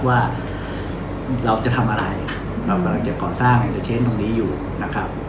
ว่าเราจะทำอะไรเรากำลังจะก่อสร้างแอนเตอร์เชนตรงนี้อยู่นะครับ